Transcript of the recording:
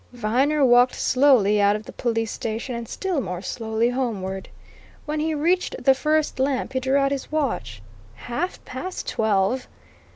Viner walked slowly out of the police station and still more slowly homeward. When he reached the first lamp, he drew out his watch. Half past twelve!